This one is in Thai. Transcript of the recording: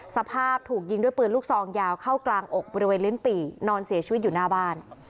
สภาพถูกยิงด้วยปืนลูกซองยาวเข้ากลางอกบริเวณลิ้นปี่นอนเสียชีวิตอยู่หน้าบ้าน